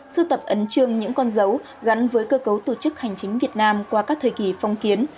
sưu tập ấn trương những con dấu gắn với cơ cấu tổ chức hành chính việt nam qua các thời kỳ phong kiến